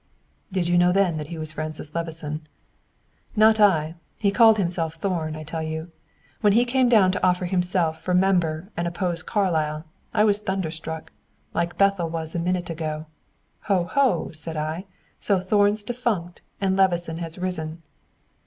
"Did you know then that he was Francis Levison?" "Not I. He called himself Thorn, I tell you. When he came down to offer himself for member, and oppose Carlyle, I was thunderstruck like Bethel was a minute ago. Ho ho, said I, so Thorn's defunct, and Levison has risen."